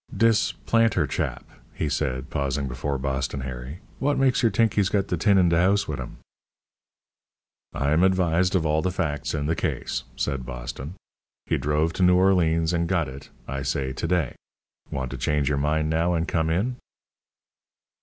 "Dis planter chap," he said, pausing before Boston Harry, "w'ot makes yer t'ink he's got de tin in de house wit' 'im?" "I'm advised of the facts in the case," said Boston. "He drove to Noo Orleans and got it, I say, to day. Want to change your mind now and come in?"